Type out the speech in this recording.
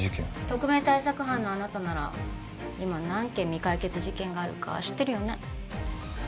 特命対策班のあなたなら今何件未解決事件があるか知ってるよね？